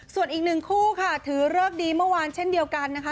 ส่วนอีกหนึ่งคู่ค่ะถือเลิกดีเมื่อวานเช่นเดียวกันนะคะ